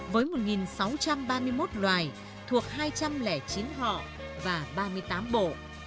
với một sáu trăm ba mươi một loài thuộc hai trăm linh chín họ và ba mươi tám bộ